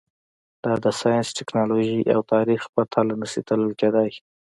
دا د ساینس، ټکنالوژۍ او تاریخ په تله نه شي تلل کېدای.